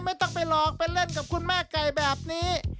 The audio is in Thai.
ไม่ต้องไปหลอกไปเล่นกับคุณแม่ไก่แบบนี้